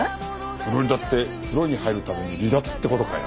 フロリダって「風呂に入るために離脱」って事かよ。